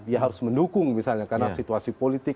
dia harus mendukung misalnya karena situasi politik